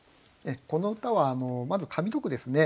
この歌はまず上の句ですね。